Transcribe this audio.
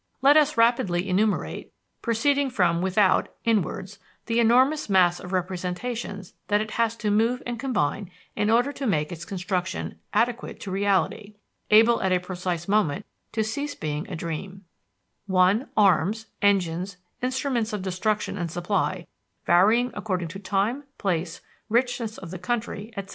Let us rapidly enumerate, proceeding from without inwards, the enormous mass of representations that it has to move and combine in order to make its construction adequate to reality, able at a precise moment to cease being a dream: (1) Arms, engines, instruments of destruction and supply, varying according to time, place, richness of the country, etc.